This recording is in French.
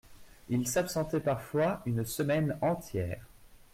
Il s’absentait parfois une semaine entière